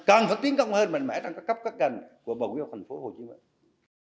cần phải tiến công hơn mạnh mẽ trong các cấp các cành của bầu quyền thành phố hồ chí minh